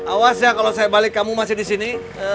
awas ya kalau saya balik kamu masih di sini